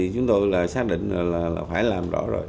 chúng tôi xác định là phải làm rõ rồi